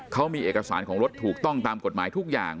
เขามีเอกสารของรถถูกต้องตามกฎหมายทุกอย่าง